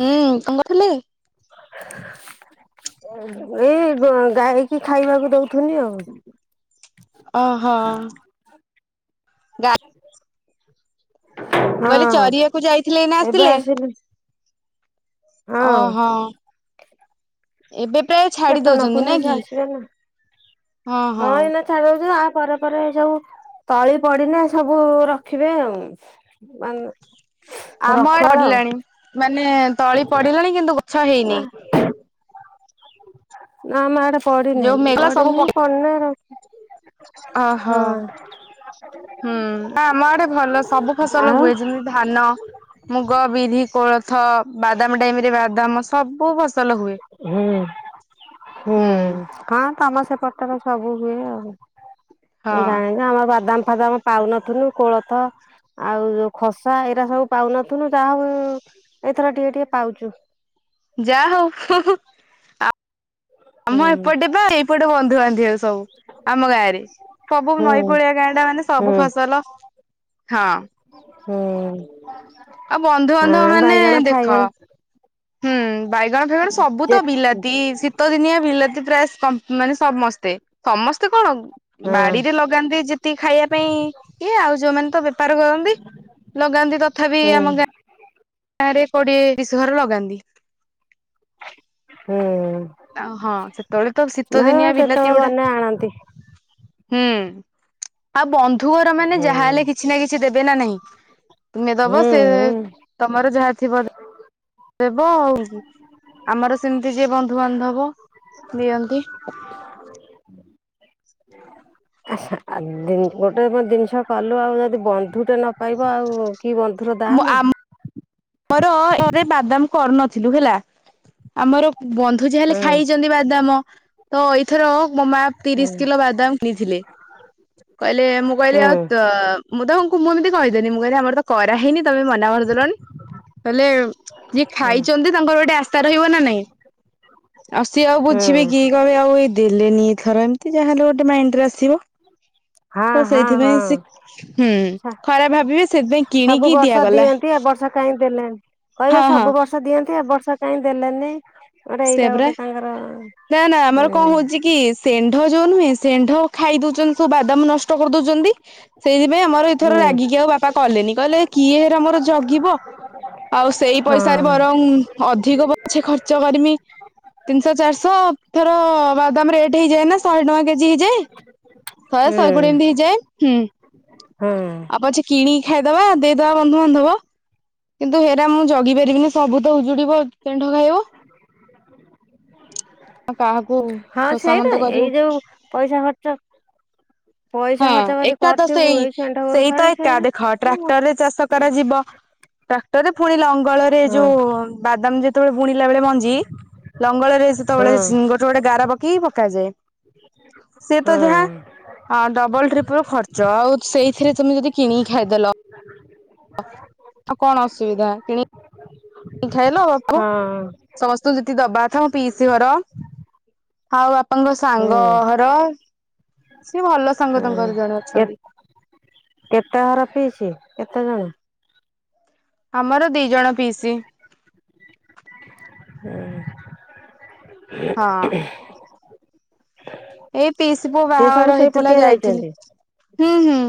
ହୁଁ କଙ୍ଗଥିଲେ। [unintelligible] ଏଇ ଗାଈକି ଖାଇବାକୁ ଦଉଥନି ଆଉ। ଓହୋ। ଗା ମୁଁ କହିଲି ହଁ ଚରିବାକୁ ଯାଇଥିଲେ ଏଇନା ଏବେ ଆସିଲେ? ଆସିଲି। ହଁ ଓହୋ ଏବେ। ପ୍ରାୟ ଛାଡି ପେଟ ଦଉଛନ୍ତି ପୁରିନି ନ ସେ କି ଆସିବେ ହଁ ହଁ। ଉଛି ତା ପରେ ପରେ ସବୁ ତଳି ପଡିନାେ ସବୁ ରଖିବେ ଆଉ। ବା ଆମ [inaudible] ପଡିଲାଣି ମାନେ ତଳି ପଡିଲାଣି କିନ୍ତୁ ଗଛ ହେଇନି ନା ଆମ ଆଡେ ଯୋଉ ପଢନାହିଁ ମେଘ ସବୁ ପଢିନି ପଢନାର। ଅହୋ। ହୁଁ ନା ଆମ ଆଡେ ଭଲ ସବୁ ଫସଲ ଆଉ ହୁଏ ଯେମିତି ଧାନ ମୁଗ, ବିରି, କୋଳଥ, ବାଦାମ ଟାଇମ ରେ ବାଦାମ ସବୁ ଫସଲ ହୁଏ। ହୋ ହୁଁ କଁ ତମ ସେପଟରେ ସବୁ ହୁଏ ହଁ ଆଉ ଜାଣି ନା ଆମର ବାଦାମ ଫାଦାମ ପାଉନଥିଲୁ କୋଳଥ ଆଉ ଯୋଉ ଖସା ଏଇରା ସବୁ ପାଉନଥୁନୁ ଯାହା ହବ ଏଇଥର ଟିକେ ଟିକେ ପାଉଛୁ। ଯା ହଉ। ଆମ ହୁଁ ଏପଟେ ବା ଏଇପଟେ ବନ୍ଧୁ ବାନ୍ଧିବେ ଆଉ ସବୁ ଆମ ଗାଁ ରେ। ସବୁ ହୁଁ ନଈ କୂଳିଆ ଗାଁଟା ମାନେ ହୁଁ ସବୁ ଫସଲ ହଁ। ହୁଁ। ଆଉ ବନ୍ଧୁବାନ୍ଧବ ହଁ ମାନେ ବାଇଗଣ ଦେଖ ଫାଇଗଣ ହୁଁ ବାଇଗଣ ଫାଇଗଣ ସବୁ ଯେ ତ ବିଲାତି ଶୀତ ଦିନିଆ ବିଲାତି ପ୍ରାୟ ମାନେ ସମସ୍ତେ ସମସ୍ତେ କଣ ହଁ ବାଡିରେ ଲଗାନ୍ତି ଯେତିକି ଖାଇବା ପାଇଁ କିଏ ଆଉ ଯୋଉମାନେ ତ ବେପାର କରନ୍ତି। ଲଗାନ୍ତି ତଥାପି ହୁଁ ଆମ ଗାଁ ଗାଁରେ କୋଡିଏ ତିରିଶ ଘର ଲଗାନ୍ତି। ହୁଁ। ହଁ ସେତେବେଳେ ତ ଶୀତ ନା ଦିନିଆ ବିଲାତି କେତେବେଳେ ଗୋଡା ଗଲେ ଆଣନ୍ତି ହୁଁ ଆଉ ବନ୍ଧୁ ଘର ମାନେ ହୁଁ ଯାହା ହେଲେ କିଛି ନା କିଛି କିଛି ଦେବେ ନା ନାହିଁ ତୁମେ ଦବ ହୁଁ ସେ ହୁଁ ତମର ଯାହା ଥିବ ଦେବ ଆଉ ଆମର ସେମିତି ଯିଏ ବନ୍ଧୁବାନ୍ଧବ ଦିଅନ୍ତି। ଆ ଗୋଟେ ଜିନିଷ କଲୁ ଆଉ ଯଦି ବନ୍ଧୁ ଟେ ନ ପାଇବ ଆଉ କି ବନ୍ ଥର ମୁଁ ଦାମ ଆମର ଏ ବାଦାମ କରୁନଥିଲୁ ହେଲା ଆମର ଧୁଜ ହେଲେ ହୁଁ ଖାଇଛନ୍ତି ବାଦାମ। ତ ଏଇଥର ମୋ ମା ହୁଁ ତିରିଶ୍ କିଲୋ ବାଦାମ କିଣିଥିଲେ। କହିଲେ ମୁଁ କହିଲି ହୁଁ ଆଉ ତ ମୁଁ ତାଙ୍କୁ ମୁଁ ଏମିତି କହିଦେନି ମୁଁ କହିଲି ଆମର ତ କରାହେଇନି ତମେ ମନା କରିଦେଲନି। କହିଲେ ଯିଏ ହୁଁ ଖାଇଛନ୍ତି ତାଙ୍କର ଗୋଟେ ଆଶା ରହିବ ନା ନାହିଁ। ଆଉ ସିଏ ଆଉ ହୁଁ ବୁଝିବେ କି କହିବେ ଆଉ ଏଇ ଦେଲେନି ଏଥର ଏମିତି ଯାହାହେଲେ ଗୋଟେ ମାଇଣ୍ଡ୍ ରେ ଆସିବ। ହଁ ତ ହଁ ସେଇଥିପାଇଁ ହଁ ସେ, ହୁଁ ଖରାପ୍ ଭାବିବେ ସେଥିପାଇଁ କିଣିକି ଦିଆଗଲା। କାଇଁ ଦେଲେନି କହିବେ ହଁ ହଁ ସବୁ ବର୍ଷ ଦିଅନ୍ତି ଏ ବର୍ଷ କାଇଁ ଦେଲେନି। ଗୋଟେ ଏଇଟା ସେୟାପରା ଗୋଟେ ତାଙ୍କର ନା ନା ଆମର କଣ ହୁଁ ହଉଛି କି? ଶେଣ୍ଢ ଯୋଉ ନୁହେଁ ଶେଣ୍ଢ ଖାଇ ଦଉଛନ୍ତି ସବୁ ବାଦାମ ନଷ୍ଟ କରି ଦଉଛନ୍ତି। ସେଇଥିପାଇଁ ଆମର ହୁଁ ଏଇଥର ରାଗିକି ଆଉ ବାପା କଲେନି କହିଲେ କିଏ ହେରା ମୋର ଜଗିବ। ଆଉ ସେଇ ହଁ ପଇସାରେ ବରଂ ଅଧିକ ପଛେ ଖର୍ଚ୍ଚ କରିମି ତିନ୍ ଶହ ଚାରିଶହ ଥର ବାଦାମ ରେଟ୍ ହେଇଯାଏ ନା ଶହେ ଟଙ୍କା କେଜି ହେଇଯାଏ। ଶହେ ଶହେକୋଡିଏ ଏମିତି ହେଇଯାଏ ହୁଁ। ହୁଁ। ଆଉ ପଛେ କିଣିକି ଖାଇଦବା ଦେଇଦବା ବନ୍ଧୁବାନ୍ଧବ। କିନ୍ତୁ ହେରା ମୁଁ ଜଗି ପାରିବିନି ସବୁ ତ ଉଜୁଡ଼ିବ ଷେଣ୍ଢ ଖାଇବ। ଆ କାହାକୁ ହଁ ସେଇଟା ଖୋସାମତ ଏଇ କରିବୁ। ଯୋଉ ପଇସା ଖର୍ଚ୍ଚ ପଇସା ହଁ ଖର୍ଚ୍ଚ କରି ଏକା ତ କରିଥିବୁ ସେଇ ଏଇ ଷେଣ୍ଢ ଗୋରୁ ସେଇ ତ ଖାଣେ ଏକା ସେଇରା ଦେଖ ହଁ ଟ୍ରାକ୍ଟରରେ ଚାଷ କରାଯିବ। ଟ୍ରାକ୍ଟରରେ ଫୁଣି ଲଙ୍ଗଳରେ ଯୋଉ ବାଦାମ ଯେତେବେଳେ ବୁଣିଲା ବେଳେ ମଞ୍ଜି ଲଙ୍ଗଲରେ ହଁ ସେତେବେଳେ ଗୋଟେ ଗୋଟେ ଗାର ପକେଇକି ପକାଯାଏ। ହଁ ହଁ ଡବଲ ଟ୍ରିପିଲୁ ଖର୍ଚ୍ଚ ଆଉ ସେଇଥିରେ ତମେ ଯଦି କିଣିକି ଖାଇଦେଲ [inaudible] ଆଉ କଣ ଅସୁବିଧା କିଣି କି ଖାଇଲ ଆଉ ହଁ ସମସ୍ତଙ୍କୁ ଯେତିିକି ଦବାକଥା ମୋ ପିଇସି ଘର ଆଉ ବାପାଙ୍କ ହୁଁ ସାଙ୍ଗ ହର ସିଏ ଭଲ ସାଙ୍ଗ ହୁଁ ତାଙ୍କର ଜଣେ କେ ଅଛନ୍ତି। କେତେ ଘର ପିଇସି? କେତେଜଣ? ଆମର ଦି ଜଣ ପିଇସି। [inaudible] ହୁଁ [inaudible] ହଁ। ଏଇ ପିଇସି ପୁଅ ସେ ସବୁ ବାହାଘର ସେଇ ହେଇଥିଲା ପଟିଆ ଯାଇଥିଲି। ଯାଇଛନ୍ତି ହୁଁ ହୁଁ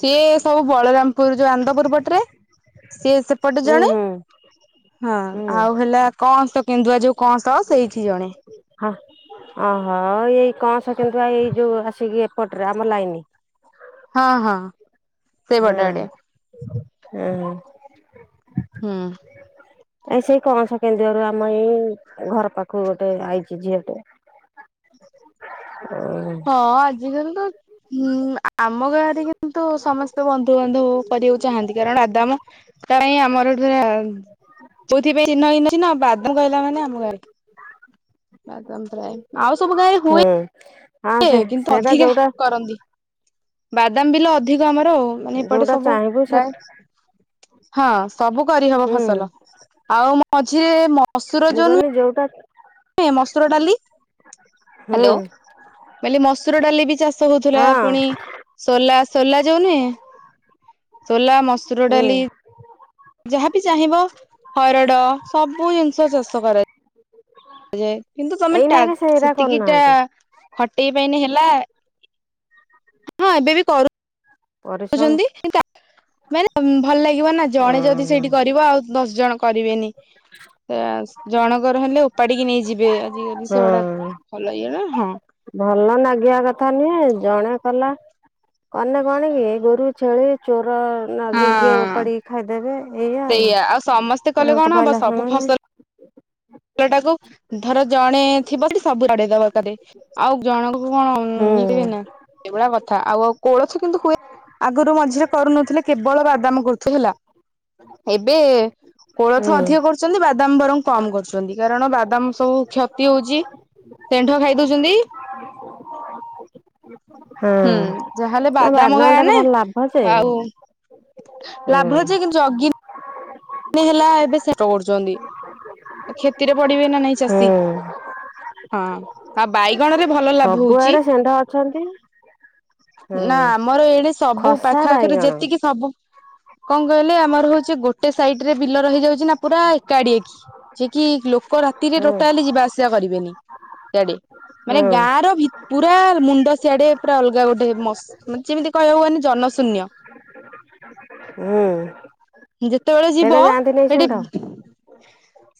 ସିଏ ସବୁ ବଳରାମପୁର ଯୋଉ ଆନ୍ଦପୁର ପଟରେ। ସିଏ ସେପଟେ ହୁଁ ଜଣେ ହୁଁ ହଁ ହୁଁ ଆଉ ହେଲା କଅଁଶ କେନ୍ଦୁଆ ଯୋଉ କଅଁସ ସେଇଠି ଜଣେ। ହଁ ଅଁହୋ ଏଇ କଅଁସ କେନ୍ଦୁଆ ଏଇ ଯୋଉ ଆସିକି ଏପର୍ଟରେ ଆମର ଲାଇନି। ହଁ, ହଁ। ସେଇପଟ ଆଡେ ହୁଁ, ହୁଁ ହୁଁ। ହୁଁ। ଏ ସେଇ କଅଁସ କେନ୍ଦୁଆରୁ ଆମ ଏଇ ଘର ପାଖକୁ ଗୋଟେ ଆଇଚି ଝିଅ ଟେ। ଉଁ ହୁଁ। ହଁ ଆଜିକାଲି ତ ହୁଁ ଆମ ଗାଁରେ କିନ୍ତୁ ସମସ୍ତେ ବନ୍ଧୁବାନ୍ଧବ କରିବାକୁ ଚାହାନ୍ତି କାରଣ ଆଦାମ ତା ପାଇଁ ଆମର ପରା କଉଥିପାଇଁ ଚିହ୍ନ ନ ଚିହ୍ନ ବାଦୁ କହିଲ ମାନେ ଆମ ଗାଁ ରେ [inaudible] ବାଦାମ ପ୍ରାୟ ଆଉ ସବୁ ଗାଁରେ ହଁ ହୁଏ ସେ କିନ୍ତୁ ସେଇଟା ଅଧିକା ଯୋଉଟା କରନ୍ତି। ବାଦାମ ବିଲ ଅଧିକ ଆମର ଆଉ ମାନେ ଏପଟେ ଯୋଉଟା ସବୁ ଚାହିଁବୁ ସେ ପ୍ରାଏ। ହଁ ସବୁ କରିହବ ହୁଁ ଫସଲ ଆଉ ମଝିରେ ମ ମୁଁ କହିଲି ଯୋଉଟା ମସୁର ଡାଲି ହୁଁ ହାଲୋ ମୁଁ କହିଲି ମସୁର ଡାଲି ବି ଚାଷ ଶ ହଉଥିଲା ହଁ ପୁଣି ସୋଲା ସୋଲା ଯଉ ନୁହେଁ ସୋଲା ମସୁର ହୁଁ ଡାଲି ଯାହାବି ଚାହିଁବ ହରଡ଼ ସବୁ ଜିନିଷ ଚାଷ କରା ଯାଏ କିନ୍ତୁ ତମେ ଟା ଏଇନାକେ ସେଇରା ସେତିକିଟା କରୁନାହାନ୍ତି ଖଟେଇ ପାଇଁନେ ହେଲା ହଁ ଏବେ ବି କରୁ କରୁ ପରିଶ୍ରମ ସନ୍ତି ମାନେ ଭଲ ଲାଗିବ ନା ଜଣେ ଯଦି ଓହୋ ସେଇଠି କରିବ ଆଉ ଦଶ ଜଣ କରିବେନି ହେଁଆସ ଜଣଙ୍କର ହେଲେ ଉପାଡିକି ନେଇଯିବେ ଆଜିକାଲି ସେଗୁଡା। ହଁ ଭଲଲାଗିବ ନା ହଁ। ଭଲ ନାଗିବା କଥା ନୁହେଁ ଜଣେ କଲା କନେ କଣ କି ଗୋରୁ, ଛେଳି ଚୋର ନାଗିକି ହଁ। ଉପାଡିକି ଖାଇଦେବେ ଏଇଆ ସେଇଆ ସମସ୍ତେ କଲେ ଆଉ କଣ [unintelligible] ଫଲ ଟାକୁ ଧର ଜଣେ ଥିବ ସବୁ ଜଡେଇ ଦବ ତା ଦେଇ। ଆଉ ଜଣଙ୍କ କଣ ହୁଁ ନ [unintelligible] ସେଇଗୁରା କଥା ଆଉ ଆଉ କୋଳଥ କିନ୍ତୁ ହୁଏ। ଆଗରୁ ମଝିରେ କରୁନଥିଲେ କେବଳ ବାଦାମ କରୁଥିଲ ହେଲା। ଏବେ କୋଳଥ ହୁଁ ଅଧିକ କରୁଛନ୍ତି ବାଦାମ ବରଂ କମ କରୁଛ କାରଣ ବାଦାମ ସବୁ କ୍ଷତି ହଉଛି ଷେଣ୍ଢ ଖାଇ ଦଉଛନ୍ତି। [inaudible] ହୁଁ ଯାହାହେଲେ ନା ବାଦାମ ଗାଁ ବାଦାମଟାରେ ନା ଭଲ ଲାଭ ଯେ ଆଉ ହୁଁ ଲାଭ ଅଛି କିନ୍ତୁ ଜଗି ହେଲା ଏବେ [unintelligible] କରୁଛନ୍ତି କ୍ଷତିରେ ପଡିବେ ନା ନାଇଁ ଚାଷୀ। ହୁଁ। ହଁ କା ବାଇଗଣରେ ସବୁଆଡେ ଷେଣ୍ଢ ଅଛନ୍ତି। ହୁଁ ନା ଆମର ଏଣେ ସବୁ ଖସା ପାଖ ଆଖରେ ବାଇଗଣ ଯେତିକି ସବୁ କଣ କହିଲେ ଆମର ହଉଛି ଗୋଟେ ସାଇଡ ରେ ବିଲ ରହିଯାଉଛି ନା ପୁରା ଏକାଡିଏ କି ଯିଏ କି ଲୋକ ରାତିରେ ହୁଁ ଟୋଟାଲି ଯିବା ଆସିବା କରିବେନି। ଇଆଡ଼େ ହୁଁ ମାନେ ଗାଁ ର ଭି ପୁରା ମୁଣ୍ଡ ସିଆଡେ ପୁରା ଅଲଗା ଗୋଟେ ମସ ମାନ ଯେମିତି କହିବାକୁ ଗନେ ଜନଶୂନ୍ୟ। ହୁଁ। ଯେତେବେଳେ ଯିବ ସେଇଟା ଯାଆନ୍ତିନି ଷେଣ୍ଢ ହେଠି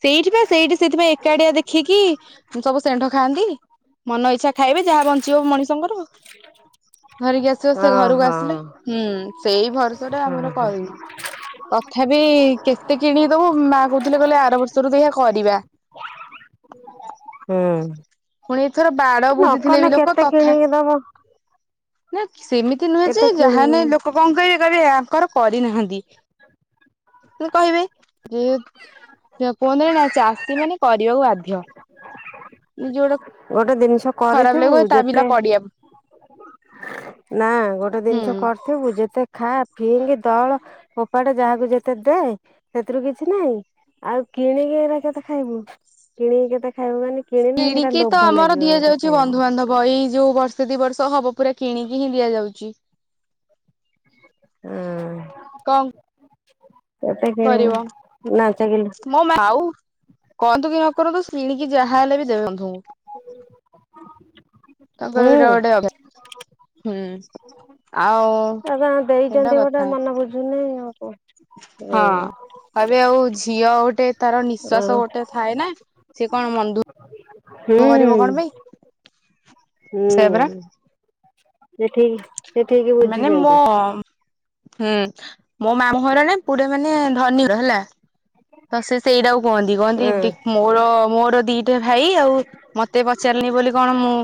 ସେଇଠି ପା ସେଇଠି ସେଇଥିପାଇଁ ଏକାଡିଆ ଦେଖିକି ସବୁ ଷେଣ୍ଢ ଖାଆନ୍ତି। ମନ ଇଚ୍ଛା ଖାଇବେ ଯାହା ବଞ୍ଚିବ ମଣିଷଙ୍କର। ପିଆଜ। ଧରିକି ଆସିବ ସେ ଘରକୁ ଆସିଲା ହୁଁ ସେଇ ଭରସା ରେ ହୁଁ ଆମର ହୁଁ କରିନୁ। ତଥାପି କେତେ କିଣିକିଦବୁ ମା କଉଥିଲେ କହିଲେ ଆର ବର୍ଷରୁ ଦେଖିଆ କରିବା। ହୁଁ ପୁଣି ଏଥର ବାଡ ନ ବୁଝିଥିଲେ ବି କନେ ଲୋକ କେତେ ତଥା କିଣିକି ଦବ? ନା ସେମିତି ନୁହେଁ ଯେ କେତେ କିଣି ଯାହାନେ ଲୋ କ କଣ କଇବେ କଇବେ ୟାଙ୍କର କରିନାହାନ୍ତି। ତ କହିବେ ଯେ [unintelligible] କୁହନ୍ତି ନେଇନା ଚାଷୀ ମାନେ କରିବାକୁ ବାଧ୍ୟ। ନିଜେ ଗୋଟେ ଜିନିଷ ଖରାପ କରିଥିବୁ ଲାଗିବ ତା ଯେତେ ବିଲ ପଡିଆ ନା ଗୋଟେ ଜିନିଷ ହୁଁ କରିଥିବୁ ଯେତେ ଖା ଫିଙ୍ଗି ଦଳ ଫୋପାଡେ ଯାହାକୁ ଯେତେ ଦେ ସେଥିରୁ କିଛି ନାହିଁ। ଆଉ କିଣିକି ଏଇରା କେତେ ଖାଇବୁ କିଣିକି କେତେ ଖାଇବୁ ମାନେ କିଣିଲେ ସେଇଟା କିଣିକି ତ ଲୋଭ ଆମର ଲାଗିବ ଦିଆ ଗୋଟେ ଯାଉଚି ଖାଇବାକୁ ବନ୍ଧୁବାନ୍ଧବ ବହି ଜଉ ବର୍ଷେ ଦି ବର୍ଷ ହବ ପୁରା କିଣିକି ହିଁ ଦିଆଯାଉଚି। କଣ କେତେ କରିବ କିଣିଲେ ନା [unintelligible] ଆଉ କହନ୍ତୁ କି ନ କରନ୍ତୁ ସିଣିକି ଯାହା ହେଲେ ବି ଦେବେ ବନ୍ଧୁ ଙ୍କୁ। ତାଙ୍କର ହୁଁ ଏଇଟା ଗୋଟେ ଅଭ୍ୟା ହୁଁ ଆଉ ଆଜ୍ଞା ସେଇଟା ଦେଇଚନ୍ତି ଗୋଟେ କଥା ମନ ବୁଝୁନି ଆଉ କଣ। ହୁଁ ହଁ କଇବେ ଆଉ ଝିଅ ଗୋଟେ ତାର ଆଉ ନିଃଶ୍ଵାସ ଗୋଟେ ଥାଏ ନା ସିଏ କଣ ମନ୍ଧୁ ହୁଁ ସେୟା ପରା ହୁଁ। ମିଠେଇ ମାନେ ମୋ ହୁଁ ମୋ ମାମୁଁ ଘର ନା ପୁରା ମାନେ ଧନୀ ର ହେଲା। ତ ସେ ସେଇଟାକୁ କୁହନ୍ତି କହନ୍ତି ହୁଁ ଟି ମୋର ମୋର ଦିଟା ଭାଇ ଆଉ ମତେ ପଚାରିନି ବୋଲି କଣ ମୁଁ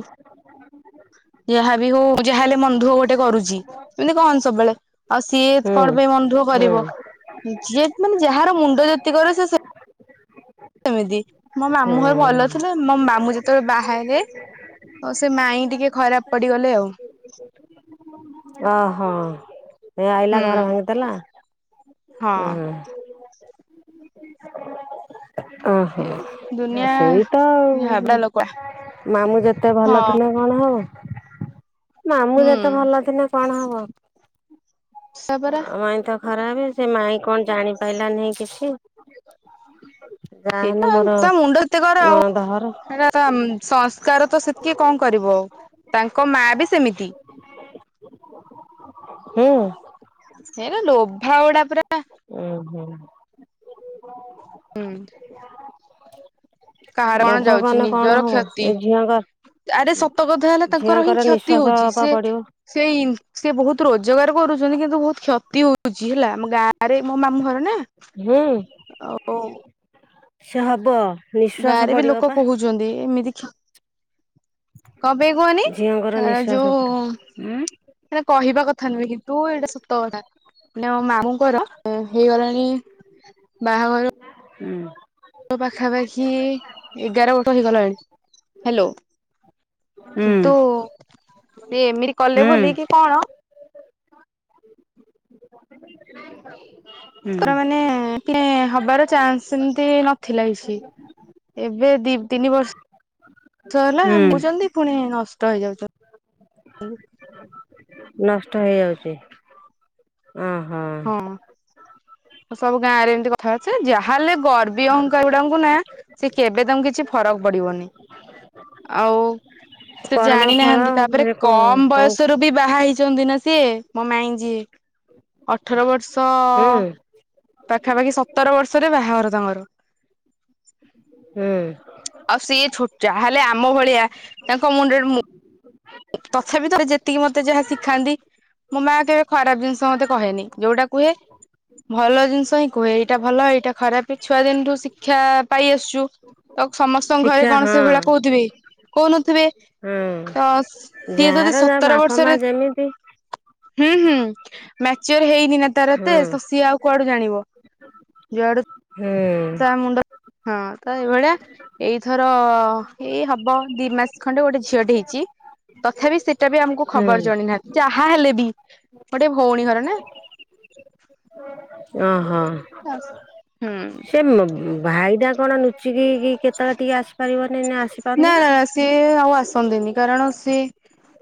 ଯାହା ବି ହଉ ଯାହା ହେଲେ ମନଦୁଃଖ ଗୋଟେ କରୁଚି ଏମିତି କହନ୍ତି ସବୁବେଳେ। ଆଉ ସିଏ ହୁଁ କଣ ପାଇଁ ମନଦୁଃଖ ହୁଁ କରିବ ଯିଏ ମାନେ ଯାହାର ମୁଣ୍ଡ ଯେତିକରେ ସିଏ ସେ ସେମିତି ମୋ ମାମୁଁ ଘର ଭଲ ହୁଁ ଥିଲେ। ମୋ ମାମୁଁ ଯେତବେଳେ ବାହା ହେଲେ ଅ ସେ ମାଇଁ ଟିକେ ଖରାପ ପଡିଗଲେ ଆଉ। ଓହୋ ଏ ଆଇଲା ହୁଁ ଘର ଭାଙ୍ଗିଦେଲା ହଁ ଉଁ। ଓହୋ ଦୁନିଆ ସେଇତ ଆଉ ଝାବଡା ଲୋକଗୁଡା ମାମୁଁ ଯେତେ ହଁ ଭଲ ଥିଲେ କଣ ହବ ମାମୁଁ ହୁଁ ଯେତେ ଭଲ ଥିଲେ କଣ ହବ? ସେୟା ପରା ଅ ମାଇଁ ତ ଖରାପ୍ ସେ ମାଇଁ କଣ ଜାଣି ପାଇଲା ନେହିଁ କିଛି? ଯାହାହେଲେ ସେଇତ ମୋର ଆଉ ତା ମୁଣ୍ଡ ଏତେ କର ଆଉ ନଣନ୍ଦ ଘର ହେରା ତ ସଂସ୍କାର ତ ସେତିକି କଣ କରିବ ଆଉ ତାଙ୍କ ମା ବି ସେମିତି। ହୁଁ। ହେରା ଲୋଭା ଗୁଡା ପୁରା। ଉଁ ହୁଁ। ହୁଁ। ହ କାହାର କଣ ଯାଉଚି ନିଜର କ୍ଷତି। ଏ ଝିଅଙ୍କ ଆରେ ସତକଥା ହେଲା ତାଙ୍କର ହିଁ ଝିଅଙ୍କର କ୍ଷତି ନିଃଶ୍ଵାସ ହଉଚି ପା ସିଏ ପଡିବ। ସେଇ ସିଏ ବହୁତୁ ରୋଜଗାର କରୁଚନ୍ତି କିନ୍ତୁ ବହୁତ୍ କ୍ଷତି ହଉଚି ହେଲା ଆମ ଗାଁ ଆରେ ମୋ ମାମୁଁ ଘର ନା ହୁଁ ଓ ସିଏ ହବ। ନିଃଶ୍ଵାସ ଗାଁ ରେ ବି ପଡିବ ଲୋକ ପା କହୁଚନ୍ତି ଏମିତି କ୍ଷ କଣ ପାଇଁ କୁହନି ଝିଅଙ୍କର ଅ ନିଃଶ୍ଵାସ ଯୋଉ ପଡିବ। ଉ ଉଁ ଏଟା କହିବା କଥା ନୁହେଁ। କିନ୍ତୁ ଏଇଟା ସତ କଥା। [unintelligible] ମାମୁଁଙ୍କର ହେଇଗଲାଣି ବାହାଘର ହୁଁ ର ପାଖାପାଖି ଏଗାର ବତ ହେଇଗଲାଣି। ହ୍ୟାଲୋ ହୁଁ କିନ୍ତୁ। ସେ ଏମିତି କଲେ ହୁଁ ବୋଲିୋଲ କି କଣ? [inaudible] ର ମାନେ ମାନେ ହବାର ଚାନ୍ସ ସେମିତି ତି ନଥିଲା କିଛି। ଏବେ ଦି ତିନି ବର୍ଷ ର୍ଷ ହେଲା ହୁଁ। [inaudible] ଛନ୍ତି ପୁଣି ନଷ୍ଟ ହେଇଯାଉଛନ୍ତି। ନଷ୍ଟ ହେଇଯାଉଛି। ଉଁ ହୁଁ ହଁ ସବୁ ଗାଁରେ ଏମତି କଥା ବାର୍ତ୍ତା ଯାହା ହେଲେ ଗର୍ବୀ ଅହଙ୍କାର ଉଡାଙ୍କୁ ନାଁ ସେ କେବେ ତାଙ୍କୁ କିଛି ଫରକ ପଡିବନି। ଆଉ କର୍ମ ଫଳ ଜାଣିନାହାନ୍ତି ତାପରେ ସେ କଣ କମ କଉ ବୟସରୁ ବି ବାହା ହେଇଚନ୍ତି ନା ସିଏ ମୋ ମାଇଁ ଯିଏ। ହ ଅଠର ବର୍ଷ ପାଖାପାଖି ସତର ବର୍ଷରେ ବାହାଘର ତାଙ୍କର। ହୁଁ ଆଉ ସିଏ ଛୋଟ ଯାହା ହେଲେ ଆମ ଭଳିଆ ତାଙ୍କ ମୁଣ୍ଡରେ ମୁଁ ତଥାପି ତ ଯେତିକି ମତେ ଯାହା ଶିଖାନ୍ତି ମୋ ମାଆ କେବେ ଖରାପ ଜିନିଷ ମତେ କହେନି ଯୋଉଟା କୁହେ ଭଲ ଜିନିଷ ହିଁ କୁହେ, ଏଇଟା ଭଲ, ଏଇଟା ଖରାପ ଛୁଆଦିନଠୁ ଶିକ୍ଷା ପାଇ ଆସୁଛୁ। ତ ସମସ୍ତଙ୍କ ଘରେ ଶିକ୍ଷା କଣ ହଁ ସେଇ ଭଳିଆ କହୁଥିବେ କି କହୁନଥିବେ ହୁଁ। ତ ସିଏ ଯଦି ଯାହାର ଯାହା ସତର ବାପା ମା ବର୍ଷରେ ଯେମିତି ହୁଁ, ହୁଁ ମ୍ୟାଚର ହେଇନି ନା ତାର ଏତେ ହୁଁ ସିଏ ଆଉ କୁଆଡୁ ଜାଣିବ। ଜୁଆଡ ହୁଁ ତା ମୁଣ୍ଡ ହଁ, ତ ଏଇଭଳିଆ। ଏଇଥର ଏଇ ହବ ଦି ମାସ ଖଣ୍ଡେ ଗୋଟେ ଝିଅଟେ ହେଇଛି। ତଥାପି ସେଟା ବି ଆମକୁ ଖବର ହୁଁ ଜଣେଇ ନାହାନ୍ତି। ଯାହା ହେଲେ ବି ଗୋଟେ ଭଉଣୀ ଘର ନା ଓ ହୋ ହୁଁ ସେ ମତ ଭାଇଟା କଣ ନୁଚିକି କି କେତେବେଳେ ଟିକେ ଆସିପାରିବନି ନା ଆସିପାରୁନି ନା ସିଏ ଆଉ ଆସନ୍ତିନି କାରଣ ସିଏ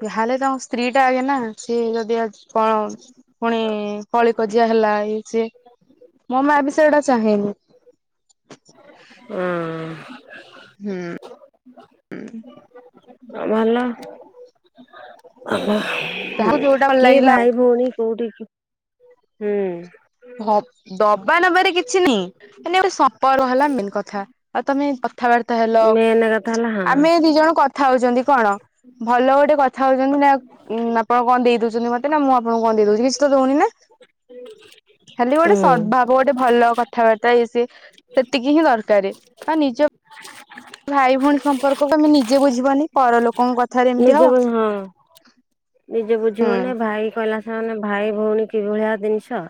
ଯାହାହେଲେ ତାଙ୍କ ସ୍ତ୍ରୀ ଟା ଆଗେ ନା ସିଏ ଯଦି ଆ କଣ ପୁଣି କଳିକଜିଆ ହେଲା ଇଏ ସିଏ ମୋ ମା ବି ସେଇଡା ଚାହେଁନି। ଉଁ ହୁଁ ଭଲ [unintelligible] ହୁଁ, ଯାହାକୁ ଯୋଉଟା ଭଲ କିଏ ଲାଗିଲା ଭାଇ ଭଉଣୀ କୋଉଠି ହୁଁ, ଦବା ନବାରେ କିଛି ନାଇଁ ମାନେ ଗୋ ସମ୍ପର୍କ ହେଲା ମେନ୍ କଥା ଆଉ ତମେ କଥାବାର୍ତ୍ତା ହେଲ ମେନ୍ କଥା ହେଲା ହଁ ଆମେ ଦି ଜଣ କଥା ହଉଛନ୍ତି କଣ? ଭଲ ଗୋଟେ କଥା ହଉଚନ୍ତି ନା ଉ ଆପଣ କଣ ଦେଇ ଦଉଚନ୍ତି ମତେ। ନା ମୁଁ ଆପଣଙ୍କୁ କଣ ଦେଇ ଦଉଛି କିଛି ତ ଦଉନି ନା? ଖାଲି ଗୋଟେ ହୁଁ। ସଦଦ୍ଭାବ ଗୋଟେ ଭଲ କଥାବାର୍ତ୍ତା ଏଇ ସେ ସେତିକି ହିଁ ଦରକାର। ଆଉ ନିଜ ଭାଇ ଭଉଣୀ ସମ୍ପର୍କ କୁ ଆମେ ନିଜେ ବୁଝିବନି ପରଲୋକଙ୍କ ନିଜେ ହଁ, ନିଜେ ହୁଁ। ବୁଝିବନି ଭାଇ କହିଲା ହେନେ ଭାଇ ଭଉଣୀ କିଭଳିଆ ଜିନିଷ